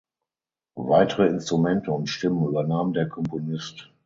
Weitere Instrumente und Stimmen übernahm der Komponist.